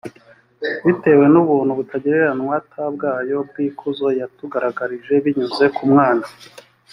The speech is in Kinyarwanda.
bitewe n ubuntu butagereranywa t bwayo bw ikuzo yatugaragarije binyuze ku mwana